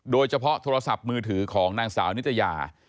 โทรศัพท์มือถือของนางสาวนิตยา